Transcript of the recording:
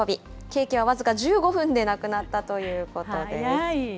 ケーキは僅か１５分でなくなったということです。